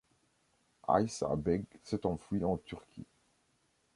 Aysa Beg s'est enfui en Turquie.